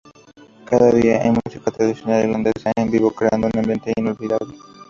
Cada día hay música tradicional irlandesa en vivo, creando un ambiente inolvidable.